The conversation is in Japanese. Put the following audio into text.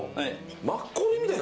マッコリみたいな？